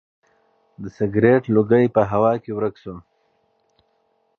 د سګرټ لوګی په هوا کې ورک شو.